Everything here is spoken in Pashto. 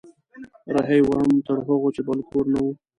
رهي وم تر هغو چې بل کور نه و